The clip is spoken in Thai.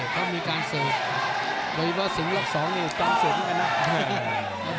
เค้ามีการสืบโดยเยี่ยมว่าสุงหลักสองเนี่ยการสืบเหมือนกันนะ